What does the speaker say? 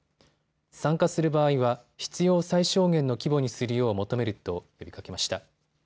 参加する場合は必要最小限の規模にするよう求めると呼びかけました。